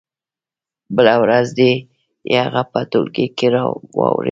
بله ورځ دې يې هغه په ټولګي کې واوروي.